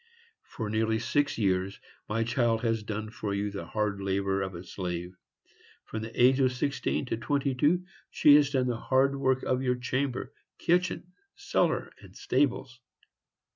For nearly six years my child has done for you the hard labor of a slave; from the age of sixteen to twenty two, she has done the hard work of your chamber, kitchen, cellar, and stables.